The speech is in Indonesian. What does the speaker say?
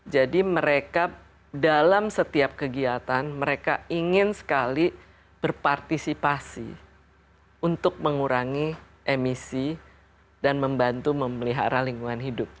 jadi mereka dalam setiap kegiatan mereka ingin sekali berpartisipasi untuk mengurangi emisi dan membantu memelihara lingkungan hidup